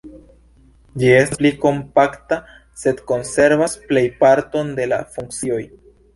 Ĝi estas pli kompakta, sed konservas plejparton de la funkcioj.